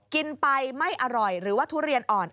กินไปไม่อร่อยหรือว่าทุเรียนอ่อน